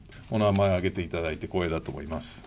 お名前を挙げていただいて光栄だと思います。